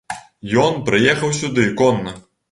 Ён прыехаў сюды конна.